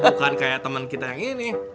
bukan kayak teman kita yang ini